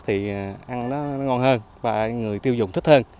thì ăn nó ngon hơn và người tiêu dùng thích hơn